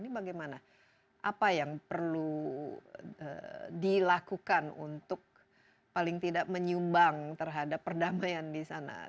ini bagaimana apa yang perlu dilakukan untuk paling tidak menyumbang terhadap perdamaian di sana